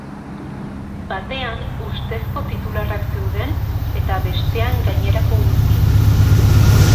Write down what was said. Batean, ustezko titularrak zeuden eta bestean gainerako guztiak.